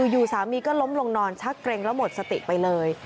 อยู่สามีก็ล้มลงนอนชักเกร็งแล้วหมดสติไปเลย